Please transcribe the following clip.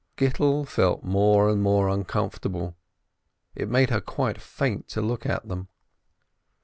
Gittel felt more and more uncomfortable, it made her quite faint to look at them.